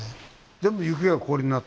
全部雪が氷になったやつ。